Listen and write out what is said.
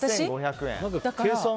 ８５００円。